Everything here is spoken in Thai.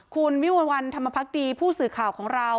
คุณวิมวลวันธรรมพักดีผู้สื่อข่าวของเรา